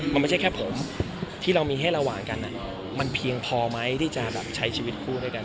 มันไม่ใช่แค่ผมที่เรามีให้ระหว่างกันมันเพียงพอไหมที่จะแบบใช้ชีวิตคู่ด้วยกัน